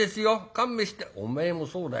勘弁してお前もそうだよ。